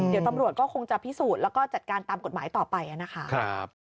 เดี๋ยวตำรวจก็คงจะพิสูจน์แล้วก็จัดการตามกฎหมายต่อไปนะคะ